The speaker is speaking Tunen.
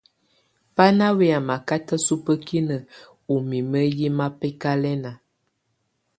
Bá ná wɛ́yá mákátá súbǝ́kinǝ́ ú mimǝ́ yɛ́ mábɛ́kálɛ́na.